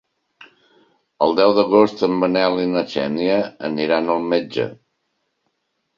El deu d'agost en Manel i na Xènia aniran al metge.